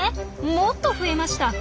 もっと増えました！